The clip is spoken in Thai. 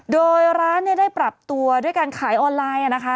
โดยร้านได้ปรับตัวด้วยการขายออนไลน์นะคะ